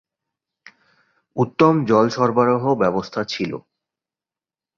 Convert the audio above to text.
উত্তম জল সরবরাহ ব্যবস্থা ছিলো।